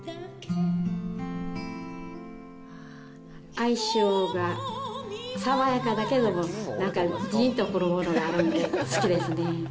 哀愁があって、爽やかだけど、なんかじーんとくるものがあるので、好きですね。